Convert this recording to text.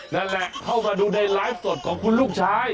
นั่นแหละเข้ามาดูในไลฟ์สดของคุณลูกชาย